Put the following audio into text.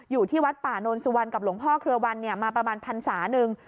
อยู่ที่วัดป่านนสุวรรณกับหลวงพ่อเครือวันมาประมาณพันศาหนึ่ง